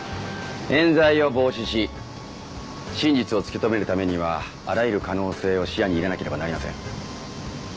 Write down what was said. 冤罪を防止し真実を突き止めるためにはあらゆる可能性を視野に入れなければなりません。